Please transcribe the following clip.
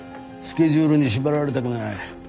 スケジュールに縛られたくない。